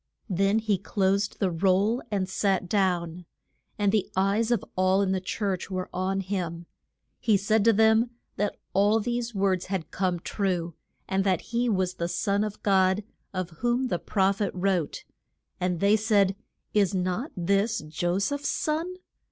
Then he closed the roll and sat down. And the eyes of all in the church were on him. He said to them that all these words had come true, and that he was the Son of God, of whom the proph et wrote. And they said, Is not this Jo seph's son?